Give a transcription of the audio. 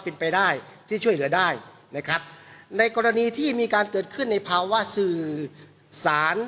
เป็นไปได้ที่ช่วยเหลือได้นะครับในกรณีที่มีการเกิดขึ้นในภาวะสื่อสาร